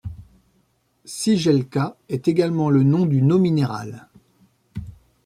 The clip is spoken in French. Cigeľka est également le nom d'une eau minérale.